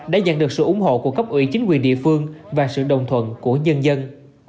đã dần được sự ủng hộ của cấp ủy chính quyền địa phương và sự đồng thuận của nhân dân